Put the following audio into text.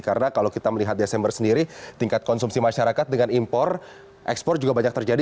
karena kalau kita melihat desember sendiri tingkat konsumsi masyarakat dengan impor ekspor juga banyak terjadi